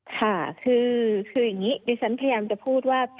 ค่ะคืออย่างนี้ดิฉันพยายามจะพูดว่า